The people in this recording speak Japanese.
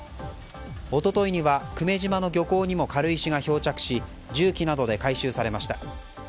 一昨日には久米島の漁港にも軽石が漂着し重機などで回収されました。